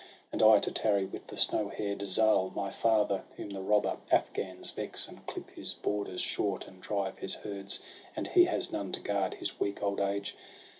And I to tarry with the snow hair'd Zal, My father, whom the robber Afghans vex, And clip his borders short, and drive his herds, And he has none to guard his weak old age.